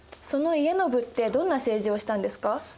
その家宣ってどんな政治をしたんですか？